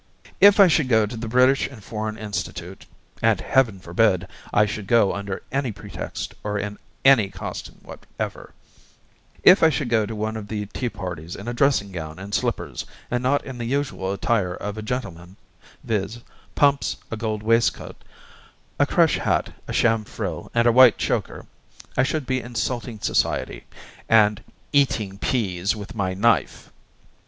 If I should go to the British and Foreign Institute (and heaven forbid I should go under any pretext or in any costume whatever) if I should go to one of the tea parties in a dressing gown and slippers, and not in the usual attire of a gentleman, viz, pumps, a gold waistcoat, a crush hat, a sham frill, and a white choker I should be insulting society, and EATING PEASE WITH MY KNIFE.